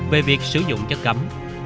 về việc sử dụng chất cấm